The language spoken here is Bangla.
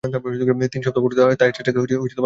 তিন সপ্তাহ পর, তাহের চাচাকে কবর দেয়া হয়।